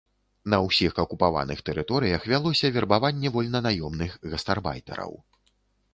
На ўсіх акупаваных тэрыторыях вялося вербаванне вольнанаёмных гастарбайтараў.